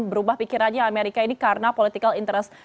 berubah pikirannya amerika ini karena political interest